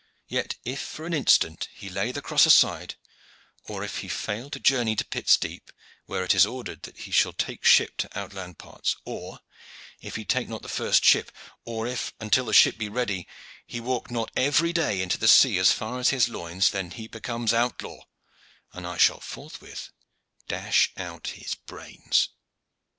Yet, if for an instant he lay the cross aside, or if he fail to journey to Pitt's Deep, where it is ordered that he shall take ship to outland parts, or if he take not the first ship, or if until the ship be ready he walk not every day into the sea as far as his loins, then he becomes outlaw, and I shall forthwith dash out his brains."